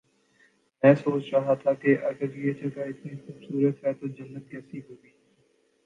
میں سوچ رہا تھا کہ اگر یہ جگہ اتنی خوب صورت ہے تو جنت کیسی ہو گی